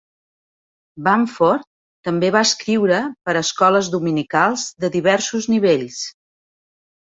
Bamford també va escriure per a escoles dominicals de diversos nivells.